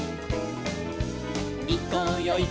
「いこうよい